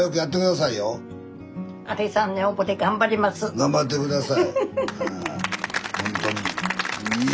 頑張って下さい。